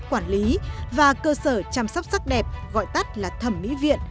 quản lý và cơ sở chăm sóc sắc đẹp gọi tắt là thẩm mỹ viện